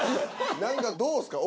何かどうすか？